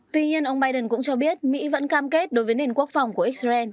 tuy nhiên ông biden cũng cho biết mỹ vẫn cam kết đối với nền quốc phòng của israel